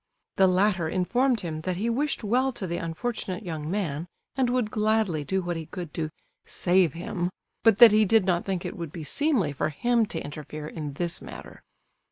The latter informed him that he wished well to the unfortunate young man, and would gladly do what he could to "save him," but that he did not think it would be seemly for him to interfere in this matter.